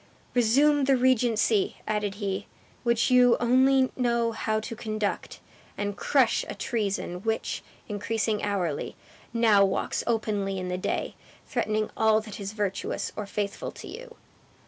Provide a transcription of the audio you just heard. "Resume the regency," added he; "which you only know how to conduct; and crush a treason which, increasing hourly, now walks openly in the day, threatening all that is virtuous, or faithful to you."